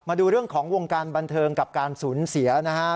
มาดูเรื่องของวงการบันเทิงกับการสูญเสียนะฮะ